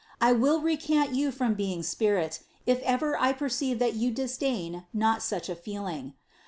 I will recant you from being spirit^ if ever I perceive that you dis dain not such a feeling.